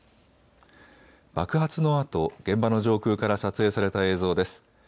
爆発のあと、現場の上空から撮影された映像です。